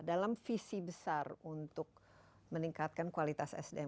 jadi ini adalah hal yang besar untuk meningkatkan kualitas sdm